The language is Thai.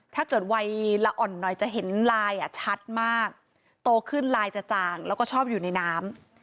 ถ้าเกิดวัยละอ่อนหน่อยจะเห็นลายชัดมากโตขึ้นลายจะจ่างแล้วก็ชอบอยู่ในน้ำ